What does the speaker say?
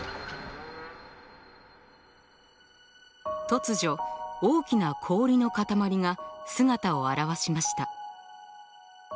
突如大きな氷の塊が姿を現しました。